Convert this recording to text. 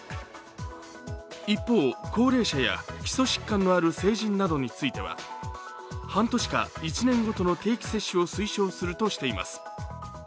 一方、高齢者や基礎疾患のある成人などについては、半年か１年ごとの定期接種を推奨するとしています。